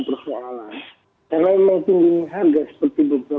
biasanya kami harus mempersiapkan